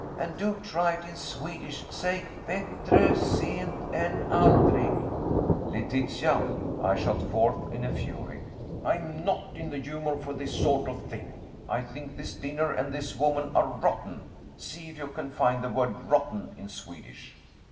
And do try it in Swedish. Say 'Battre sent än aldrig.'" "Letitia," I shot forth in a fury, "I'm not in the humor for this sort of thing. I think this dinner and this woman are rotten. See if you can find the word rotten in Swedish."